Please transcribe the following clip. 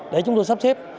để chúng tôi sắp xếp